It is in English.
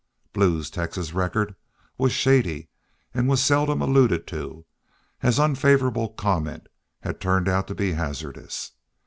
Blue's Texas record was shady, and was seldom alluded to, as unfavorable comment had turned out to be hazardous.